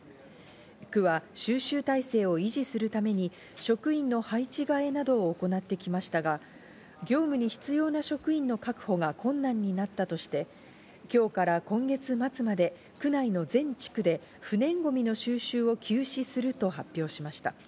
区は収集体制を維持するために職員の配置換えなどを行ってきましたが、業務に必要な職員の確保が困難になったとして、今日から今月末まで区内の全地区で不燃ごみの収集を休止すると発表しました。